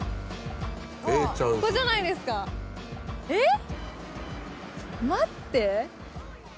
ここじゃないですかえっ？